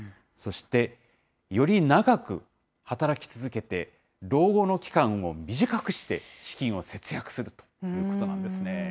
そして、より長く働き続けて、老後の期間を短くして、資金を節約するということなんですね。